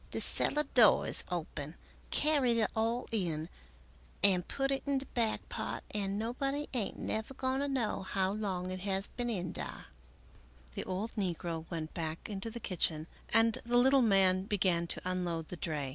" De cellar door is open, carry it all in and put it in de back part and nobody ain't never going to know how long it has been in dar." The old negro went back into the kitchen and the little man began to unload the dray.